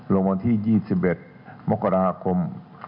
รวมที่๒๑มกราคม๒๕๖๓